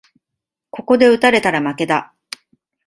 ここで打たれたら負けだ